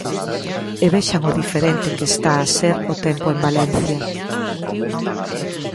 E vexan o diferente que está a ser o tempo en Valencia.